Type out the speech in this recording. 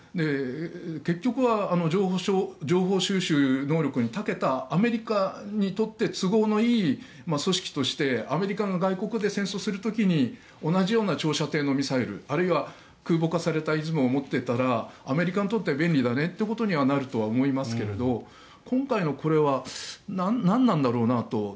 結局は情報収集能力にたけたアメリカにとって都合のいい組織としてアメリカが外国で戦争をする時に同じような長射程のミサイルあるいは空母化された「いずも」を持っていたらアメリカにとって便利だねということにはなるとは思いますが今回のこれは何なんだろうなと。